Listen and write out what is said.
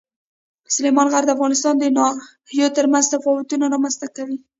سلیمان غر د افغانستان د ناحیو ترمنځ تفاوتونه رامنځ ته کوي.